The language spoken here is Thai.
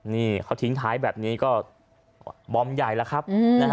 นี่เขาทิ้งท้ายแบบนี้ก็บอมใหญ่แล้วครับ